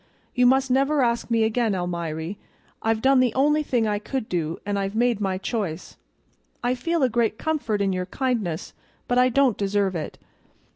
'You must never ask me again, Almiry: I've done the only thing I could do, and I've made my choice. I feel a great comfort in your kindness, but I don't deserve it.